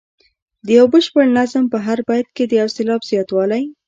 د یو بشپړ نظم په هر بیت کې د یو سېلاب زیاتوالی.